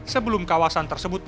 sebelum kawasan tersebut